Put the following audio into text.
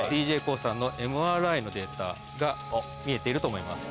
ＤＪＫＯＯさんのＭＲＩのデータが見えていると思います